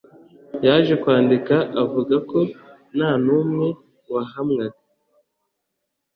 yaje kwandika avuga ko nta n umwe wahamwaga